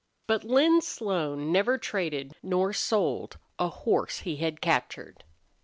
But Lin Slone never traded nor sold a horse he had captured.